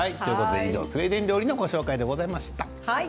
以上、スウェーデン料理のご紹介でした。